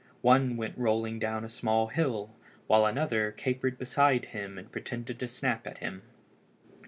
One went rolling down a small hill while another capered beside him and pretended to snap at him.